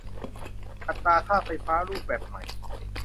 อัตราค่าไฟฟ้ารูปแบบใหม่